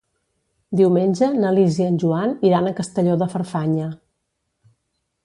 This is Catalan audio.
Diumenge na Lis i en Joan iran a Castelló de Farfanya.